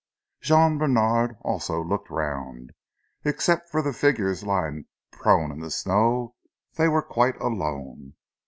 Jean Bènard also looked round. Except for the figures lying prone in the snow they were quite alone.